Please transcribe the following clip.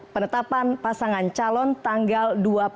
penetapan pasangan calon tanggal dua puluh